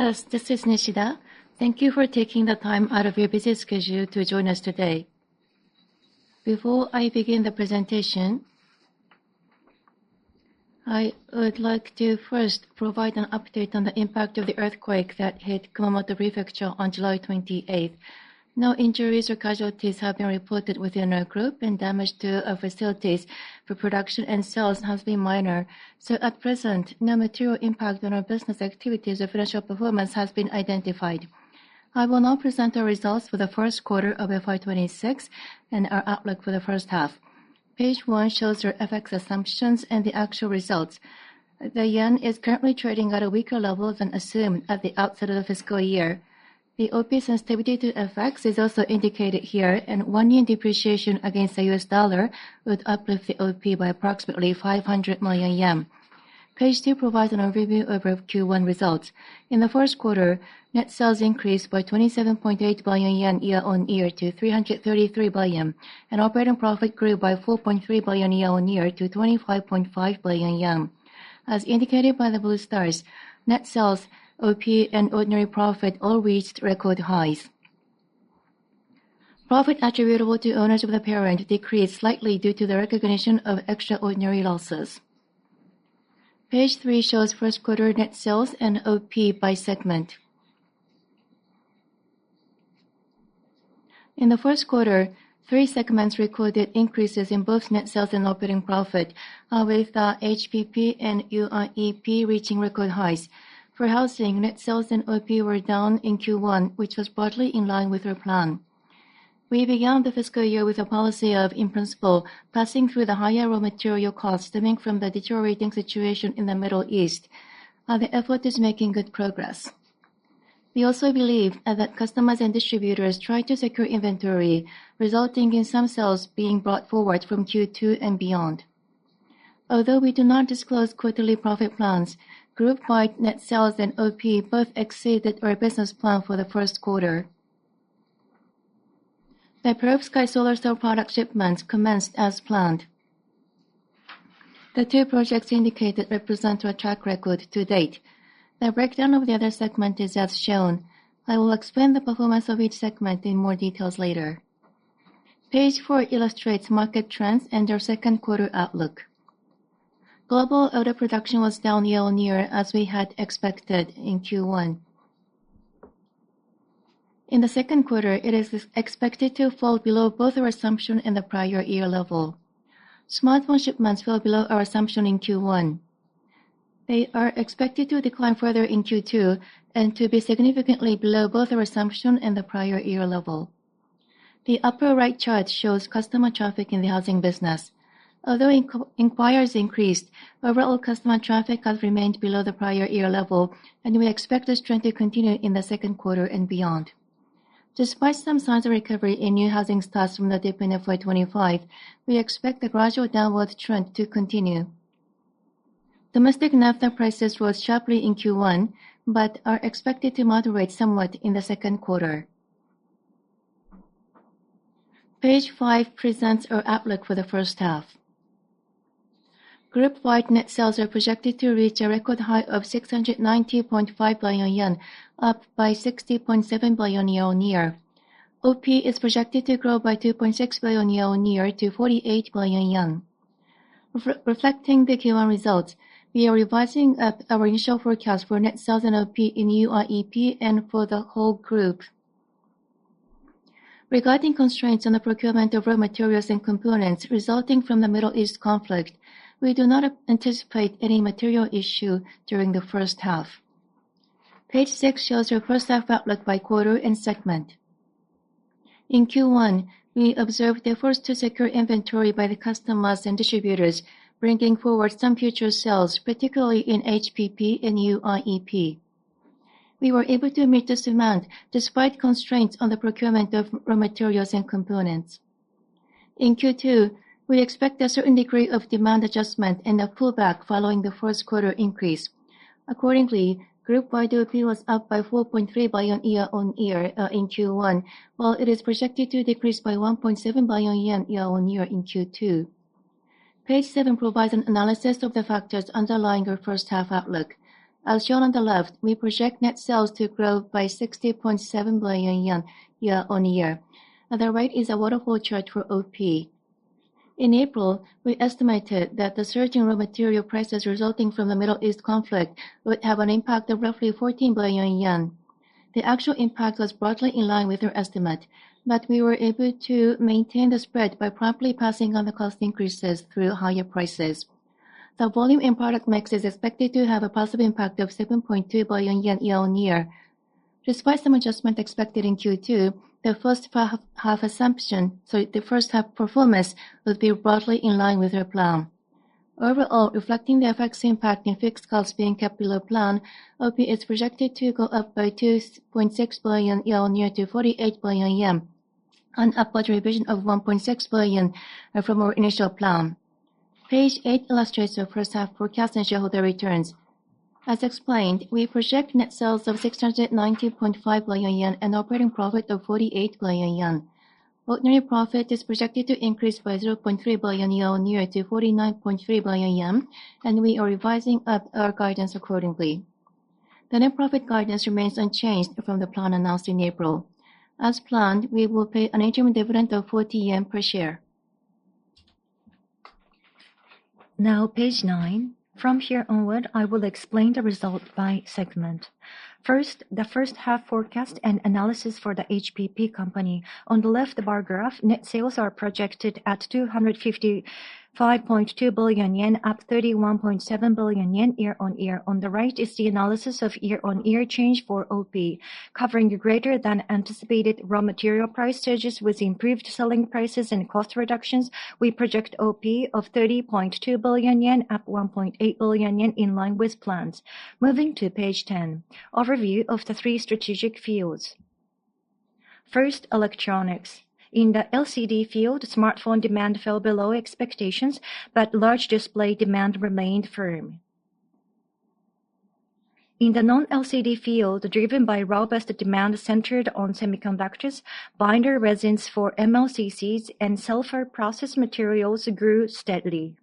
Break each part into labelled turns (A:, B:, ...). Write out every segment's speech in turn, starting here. A: Yes, this is Nishida. Thank you for taking the time out of your busy schedule to join us today. Before I begin the presentation, I would like to first provide an update on the impact of the earthquake that hit Kumamoto Prefecture on July 28th. No injuries or casualties have been reported within our group, and damage to our facilities for production and sales has been minor. At present, no material impact on our business activities or financial performance has been identified. I will now present our results for the first quarter of FY 2026 and our outlook for the first half. Page one shows your FX assumptions and the actual results. The yen is currently trading at a weaker level than assumed at the outset of the fiscal year. The OP sensitivity to FX is also indicated here. One yen depreciation against the U.S. dollar would uplift the OP by approximately 500 million yen. Page two provides an overview of our Q1 results. In the first quarter, net sales increased by 27.8 billion yen year-on-year to 333 billion. Operating profit grew by 4.3 billion yen year-on-year to 25.5 billion yen. As indicated by the blue stars, net sales, OP, and ordinary profit all reached record highs. Profit attributable to owners of the parent decreased slightly due to the recognition of extraordinary losses. Page three shows first quarter net sales and OP by segment. In the first quarter, three segments recorded increases in both net sales and operating profit, with HPP and UIEP reaching record highs. For Housing, net sales and OP were down in Q1, which was broadly in line with our plan. We began the fiscal year with a policy of, in principle, passing through the higher raw material costs stemming from the deteriorating situation in the Middle East. The effort is making good progress. We also believe that customers and distributors try to secure inventory, resulting in some sales being brought forward from Q2 and beyond. Although we do not disclose quarterly profit plans, group-wide net sales and OP both exceeded our business plan for the first quarter. The perovskite solar cell product shipments commenced as planned. The two projects indicated represent our track record to date. The breakdown of the other segment is as shown. I will explain the performance of each segment in more details later. Page four illustrates market trends and our second quarter outlook. Global auto production was down year-on-year as we had expected in Q1. In the second quarter, it is expected to fall below both our assumption and the prior year level. Smartphone shipments fell below our assumption in Q1. They are expected to decline further in Q2 and to be significantly below both our assumption and the prior year level. The upper right chart shows customer traffic in the Housing business. Although inquires increased, overall customer traffic has remained below the prior year level. We expect this trend to continue in the second quarter and beyond. Despite some signs of recovery in new housing starts from the dip in FY 2025, we expect the gradual downward trend to continue. Domestic naphtha prices rose sharply in Q1. Are expected to moderate somewhat in the second quarter. Page five presents our outlook for the first half. Group-wide net sales are projected to reach a record high of 690.5 billion yen, up by 60.7 billion yen year-on-year. OP is projected to grow by 2.6 billion yen year-on-year to 48 billion yen. Reflecting the Q1 results, we are revising up our initial forecast for net sales and OP in UIEP and for the whole group. Regarding constraints on the procurement of raw materials and components resulting from the Middle East conflict, we do not anticipate any material issue during the first half. Page six shows our first half outlook by quarter and segment. In Q1, we observed efforts to secure inventory by the customers and distributors, bringing forward some future sales, particularly in HPP and UIEP. We were able to meet this demand despite constraints on the procurement of raw materials and components. In Q2, we expect a certain degree of demand adjustment and a pullback following the first quarter increase. Accordingly, group-wide OP was up by 4.3 billion yen year-on-year in Q1, while it is projected to decrease by 1.7 billion yen year-on-year in Q2. Page seven provides an analysis of the factors underlying our first half outlook. As shown on the left, we project net sales to grow by 60.7 billion yen year-on-year. On the right is a waterfall chart for OP. In April, we estimated that the surge in raw material prices resulting from the Middle East conflict would have an impact of roughly 14 billion yen. The actual impact was broadly in line with our estimate, but we were able to maintain the spread by promptly passing on the cost increases through higher prices. The volume and product mix is expected to have a positive impact of 7.2 billion yen year-on-year. Despite some adjustment expected in Q2, the first half assumption. Sorry, the first half performance would be broadly in line with our plan. Overall, reflecting the FX impact and fixed costs being kept below plan, OP is projected to go up by 2.6 billion yen year-on-year to 48 billion yen, an upward revision of 1.6 billion from our initial plan. Page eight illustrates our first half forecast and shareholder returns. As explained, we project net sales of 690.5 billion yen and operating profit of 48 billion yen. Ordinary profit is projected to increase by 0.3 billion yen year-on-year to 49.3 billion yen, and we are revising up our guidance accordingly. The net profit guidance remains unchanged from the plan announced in April. As planned, we will pay an interim dividend of 40 yen per share. Now, Page nine. From here onward, I will explain the result by segment. First, the first half forecast and analysis for the HPP Company. On the left, the bar graph, net sales are projected at 255.2 billion yen, up 31.7 billion yen year-on-year. On the right is the analysis of year-on-year change for OP. Covering greater than anticipated raw material price surges with improved selling prices and cost reductions, we project OP of 30.2 billion yen, up 1.8 billion yen, in line with plans. Moving to page 10, overview of the three strategic fields. First, electronics. In the LCD field, smartphone demand fell below expectations, but large display demand remained firm. In the non-LCD field, driven by robust demand centered on semiconductors, binder resins for MLCCs and sulfur process materials grew steadily.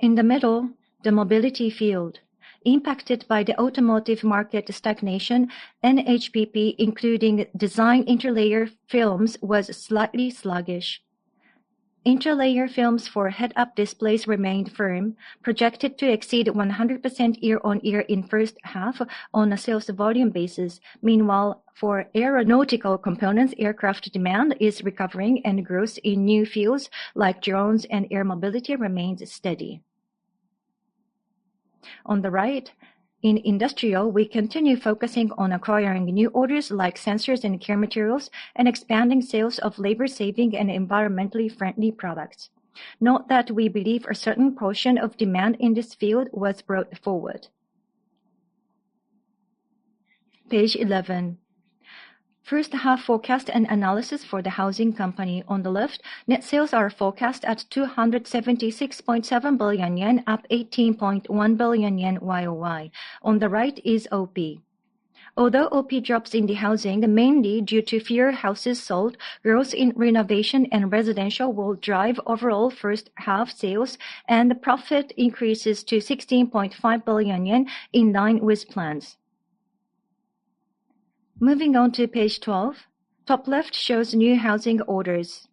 A: In the middle, the mobility field. Impacted by the automotive market stagnation, NHPP, including design interlayer films, was slightly sluggish. Interlayer films for head-up displays remained firm, projected to exceed 100% year-on-year in the first half on a sales volume basis. Meanwhile, for aeronautical components, aircraft demand is recovering, and growth in new fields like drones and air mobility remains steady. On the right, in industrial, we continue focusing on acquiring new orders like sensors and care materials and expanding sales of labor-saving and environmentally friendly products. Note that we believe a certain portion of demand in this field was brought forward. Page 11. First half forecast and analysis for the Housing Company. On the left, net sales are forecast at 276.7 billion yen, up 18.1 billion yen year-on-year. On the right is OP. Although OP drops in the Housing Company, mainly due to fewer houses sold, growth in renovation and residential will drive overall first half sales, and the profit increases to 16.5 billion yen, in line with plans. Moving on to page 12. Top left shows new housing orders.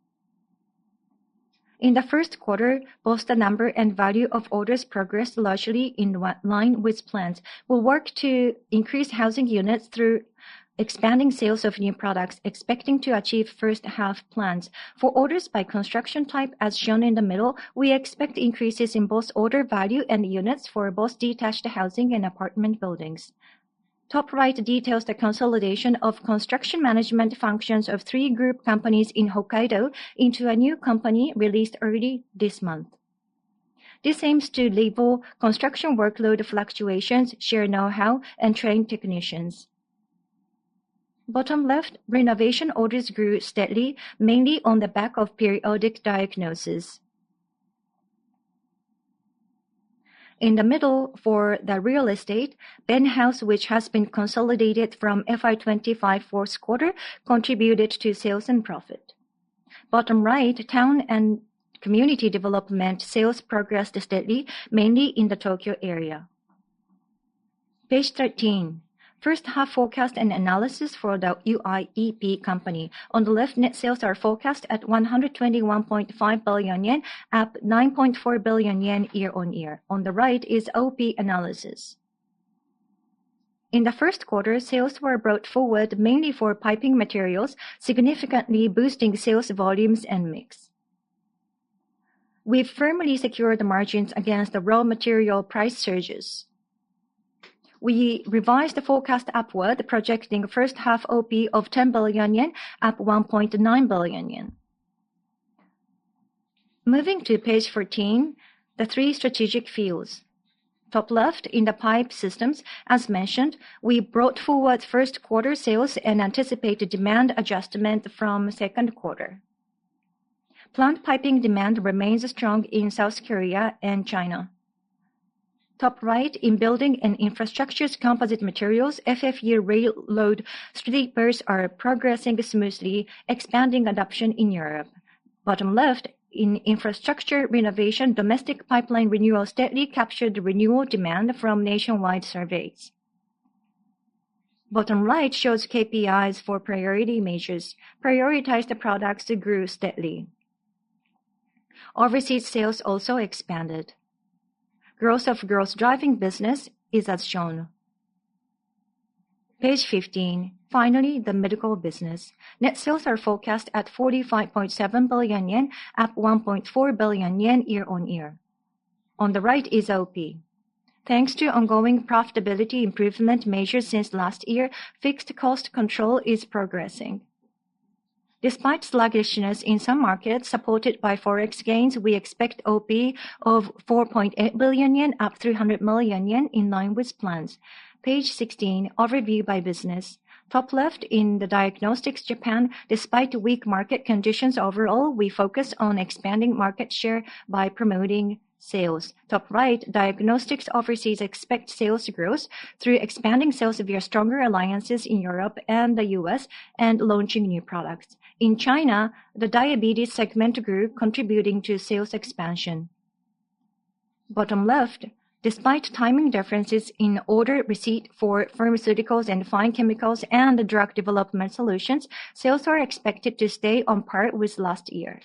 A: In the first quarter, both the number and value of orders progressed largely in line with plans. We'll work to increase housing units through expanding sales of new products, expecting to achieve first half plans. For orders by construction type, as shown in the middle, we expect increases in both order value and units for both detached housing and apartment buildings. Top right details the consolidation of construction management functions of three group companies in Hokkaido into a new company released early this month. This aims to label construction workload fluctuations, share know-how, and train technicians. Bottom left, renovation orders grew steadily, mainly on the back of periodic diagnosis. In the middle, for the real estate, Ben House, which has been consolidated from FY 2025 fourth quarter, contributed to sales and profit. Bottom right, town and community development sales progressed steadily, mainly in the Tokyo area. Page 13. First-half forecast and analysis for the UIEP Company. On the left, net sales are forecast at 121.5 billion yen, up 9.4 billion yen year-on-year. On the right is OP analysis. In the first quarter, sales were brought forward mainly for piping materials, significantly boosting sales volumes and mix. We firmly secured the margins against the raw material price surges. We revised the forecast upward, projecting first half OP of 10 billion yen, up 1.9 billion yen. Moving to page 14, the three strategic fields. Top left, in the pipe systems, as mentioned, we brought forward first quarter sales and anticipate demand adjustment from second quarter. Plant piping demand remains strong in South Korea and China. Top right, in building and infrastructures composite materials, FFU railroad sleepers are progressing smoothly, expanding adoption in Europe. Bottom left, in infrastructure renovation, domestic pipeline renewal steadily captured renewal demand from nationwide surveys. Bottom right shows KPIs for priority measures. Prioritized products grew steadily. Overseas sales also expanded. Growth of growth driving business is as shown. Page 15. Finally, the medical business. Net sales are forecast at 45.7 billion yen, up 1.4 billion yen year-on-year. On the right is OP. Thanks to ongoing profitability improvement measures since last year, fixed cost control is progressing. Despite sluggishness in some markets, supported by forex gains, we expect OP of 4.8 billion yen, up 300 million yen, in line with plans. Page 16, overview by business. Top left, in the diagnostics Japan, despite weak market conditions overall, we focus on expanding market share by promoting sales. Top right, diagnostics overseas expect sales growth through expanding sales via stronger alliances in Europe and the U.S. and launching new products. In China, the diabetes segment grew, contributing to sales expansion. Bottom left, despite timing differences in order receipt for pharmaceuticals and fine chemicals and the drug development solutions, sales are expected to stay on par with last year.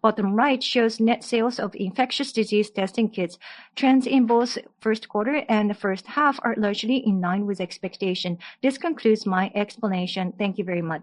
A: Bottom right shows net sales of infectious disease testing kits. Trends in both first quarter and the first half are largely in line with expectation. This concludes my explanation. Thank you very much.